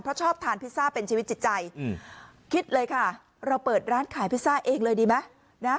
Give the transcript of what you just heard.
เพราะชอบทานพิซซ่าเป็นชีวิตจิตใจคิดเลยค่ะเราเปิดร้านขายพิซซ่าเองเลยดีไหมนะ